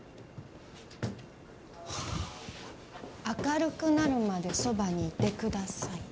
明るくなるまでそばにいてください。